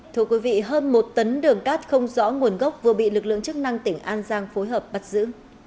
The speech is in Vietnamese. thưa quý vị hơn một tấn đường cát không rõ nguồn gốc vừa bị lực lượng chức năng tỉnh an giang phối hợp bắt giữ